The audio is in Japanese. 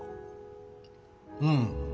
うん。